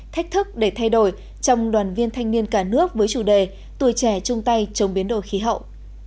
thách thức để thay đổi trong đoàn viên thanh niên cả nước với chủ đề tuổi trẻ chung tay chống biến đổi khí hậu